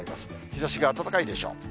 日ざしが暖かいでしょう。